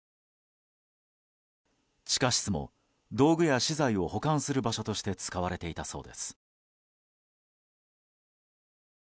地下室も道具や資材を保管する場所として使われていたそうです。